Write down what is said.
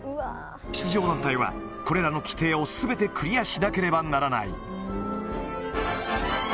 出場団体はこれらの規定をすべてクリアしなければならない。